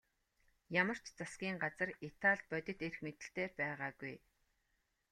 Ямар ч засгийн газар Италид бодит эрх мэдэлтэй байгаагүй.